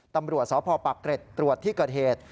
ตำรวจสพปักเกร็ดตรวจที่เกิดเหตุ